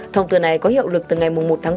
thông tư này có hiệu lực từ ngày một tháng ba